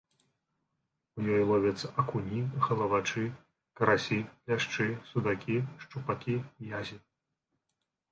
У ёй ловяцца акуні, галавачы, карасі, ляшчы, судакі, шчупакі, язі.